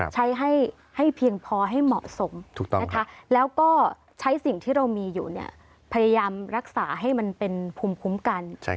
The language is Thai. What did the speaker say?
ใช้ให้เพียงพอให้เหมาะสมนะคะแล้วก็ใช้สิ่งที่เรามีอยู่พยายามรักษาให้มันเป็นภูมิคุ้มกัน